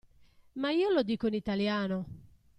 Ma io lo dico in italiano.